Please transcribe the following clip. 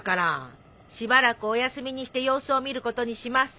しばらくお休みにして様子を見ることにします。